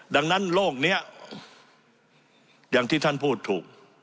ดังนั้นโลกนี้อย่างที่ท่านพูดถูก